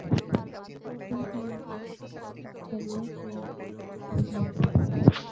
পরদিন পুনর্বার গণনা সারিয়া সুরঙ্গে প্রবেশ করিলেন।